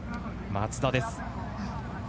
松田です。